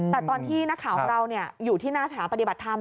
แต่ตอนที่นักข่าวของเราอยู่ที่หน้าสถานปฏิบัติธรรม